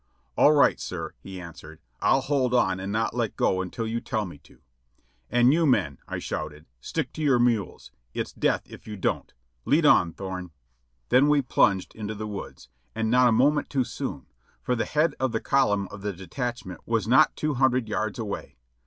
"All right, sir," he answered; "I'll hold on and not let go until you tell me to." "And you men," I shouted, "stick to your mules. It's death if you don't; lead on, Thorne!" Then we plunged into the woods ; and not a moment too soon, for the head of the column of the detachment was not two hun dred yards away.